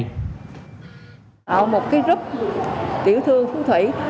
tạo một group tiểu thương phú thủy